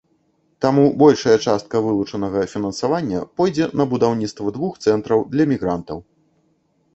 Таму большая частка вылучанага фінансавання пойдзе на будаўніцтва двух цэнтраў для мігрантаў.